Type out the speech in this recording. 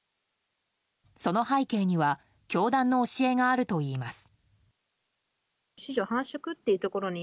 その背景には教団の教えがあるといいます。